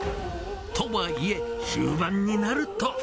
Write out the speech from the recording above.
とはいえ、終盤になると。